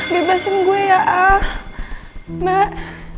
bebasin gue ya mbak